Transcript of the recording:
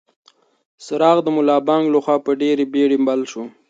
څراغ د ملا بانګ لخوا په ډېرې بېړه بل شو.